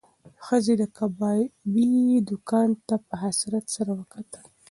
ښځې د کبابي دوکان ته په حسرت سره وکتل.